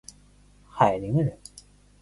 海宁人。